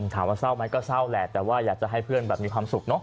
เศร้าไหมก็เศร้าแหละแต่ว่าอยากจะให้เพื่อนแบบมีความสุขเนอะ